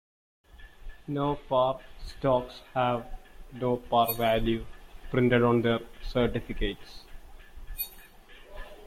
No-par stocks have "no par value" printed on their certificates.